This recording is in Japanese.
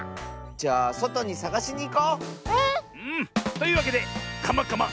じゃあそとにさがしにいこう！ね！というわけで「カマカマ！